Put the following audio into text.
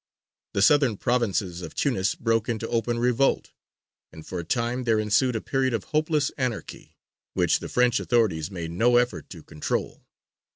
The southern provinces of Tunis broke into open revolt, and for a time there ensued a period of hopeless anarchy, which the French authorities made no effort to control.